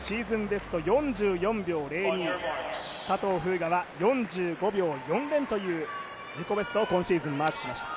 ベスト４４秒０２、佐藤風雅は４５秒４０という自己ベストを、今シーズンマークしました。